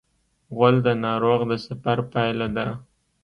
غول د ناروغ د سفر پایله ده.